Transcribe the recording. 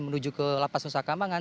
menuju ke lapas nusa kambangan